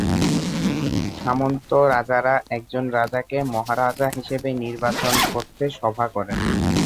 সামন্ত রাজারা একজন রাজাকে মহারাজা হিসেবে নির্বাচন করতে সভা করেন।